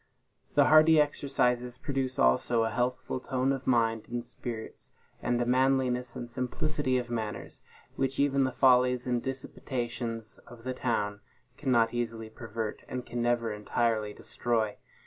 The hardy exercises produce also a healthful tone of mind and spirits, and a manliness and simplicity of manners, which even the follies and dissipations of the town cannot easily pervert, and can never entirely destroy.